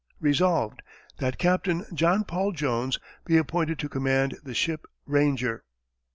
Resolved, That Captain John Paul Jones be Appointed to Command the Ship Ranger.